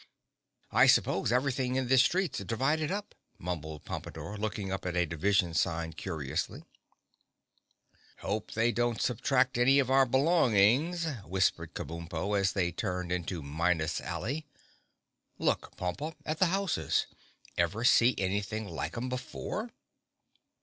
"I suppose everything in this street's divided up," mumbled Pompadore, looking up at a division sign curiously. [Illustration: (unlabelled)] "Hope they don't subtract any of our belongings," whispered Kabumpo, as they turned into Minus Alley. "Look, Pompa, at the houses. Ever see anything like 'em before?"